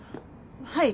はい。